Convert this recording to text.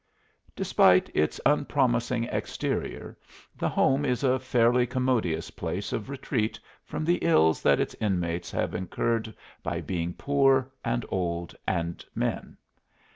Despite its unpromising exterior, the Home is a fairly commodious place of retreat from the ills that its inmates have incurred by being poor and old and men.